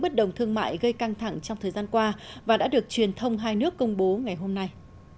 bất đồng thương mại gây căng thẳng trong thời gian qua và đã được truyền thông hai nước công bố ngày hôm nay